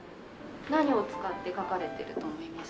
何を使って描かれてると思いますか？